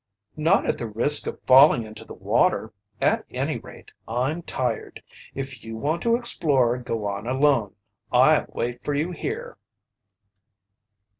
"Not at the risk of falling into the water! At any rate, I'm tired. If you want to explore, go on alone. I'll wait for you here."